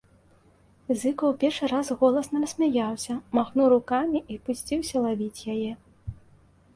Зыкаў першы раз голасна рассмяяўся, махнуў рукамі і пусціўся лавіць яе.